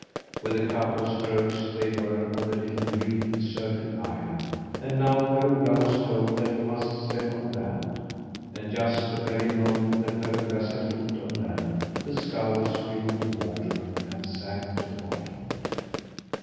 With a couple of strokes they were on a little reed encircled island, and now Per Ola was told that he must step on land. And just the very moment that Per Ola set foot on land, the scow was filled with water, and sank to the bottom.